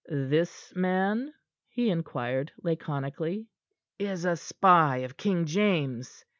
"This man?" he inquired laconically. "Is a spy of King James's.